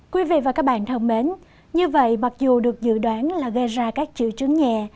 quý vị và các bạn thân mến như vậy mặc dù được dự đoán là gây ra các triệu chứng nhẹ